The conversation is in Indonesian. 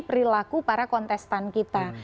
perilaku para kontestan kita